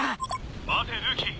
待てルーキー！